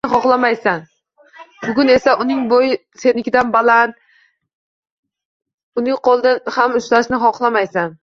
Bugun esa, seni bo'ying unikidan baland, uni qo'lidan ham ushlashni xohlamaysan